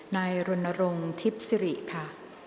นายรณรงค์ทิพย์สิริค่ะ